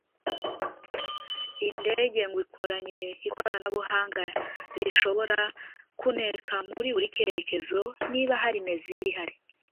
Iyi ndege ngo ikoranye ikoranabuhanga rishobora kuneka muri buri cyekerekezo niba hari messile ihari